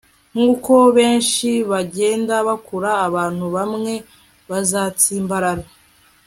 nkuko benshi bagenda bakura abantu bamwe bazatsimbarara